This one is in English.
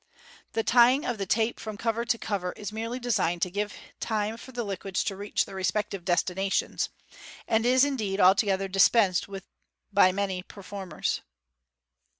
The tying of the tape from cover to cover is merely designed to give time for the liquids to reach their respective destinations, and is, indeed, altogether dispensed with by many per formers.